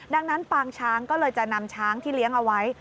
ดังนั้นปางช้างก็เลยจะนำช้างที่เลี้ยงเอาไว้